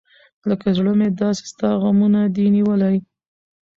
لکه زړه مې داسې ستا غمونه دى نیولي .